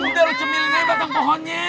udah lu cemilin aja batang pohonnya